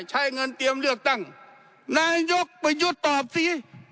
ใช้เงินเตรียมเลือกตั้งนายกประยุทธ์ตอบสิ